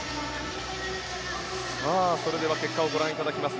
それでは結果をご覧いただきます。